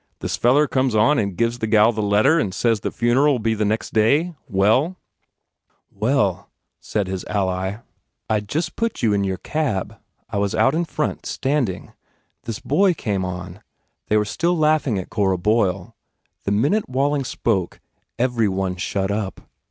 This feller comes on and gives the gal the letter and says the funeral ll be next day. Well?" "Well," said his ally, "I d just put you in your 16 A PERSONAGE cab. I was out in front, standing. This boy came on. They were still laughing at Cora Boyle. The minute Walling spoke, every one shut up.